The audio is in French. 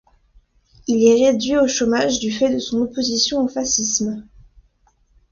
Il est réduit au chômage du fait de son opposition au fascisme.